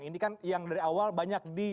ini kan yang dari awal banyak di